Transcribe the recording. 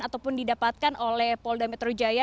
ataupun didapatkan oleh polda metrojaya